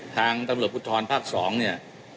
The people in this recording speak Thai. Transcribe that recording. ทางตำรวจภูทรภาค๒เนี่ย